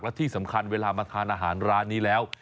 และที่สำคัญเวลามาทานอาหารร้านนี้แล้ว